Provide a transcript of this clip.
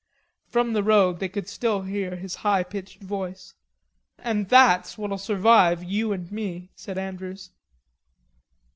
From the road they could still hear his high pitched voice. "And that's what'll survive you and me," said Andrews.